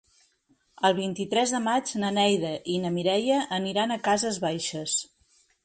El vint-i-tres de maig na Neida i na Mireia aniran a Cases Baixes.